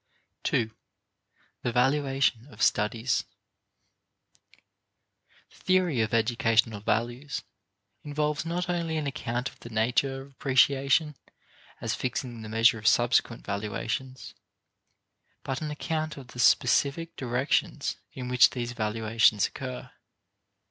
2. The Valuation of Studies. The theory of educational values involves not only an account of the nature of appreciation as fixing the measure of subsequent valuations, but an account of the specific directions in which these valuations occur.